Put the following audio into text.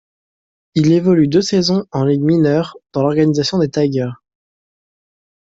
Il évolue deux saisons en ligues mineures dans l'organisation des Tigers.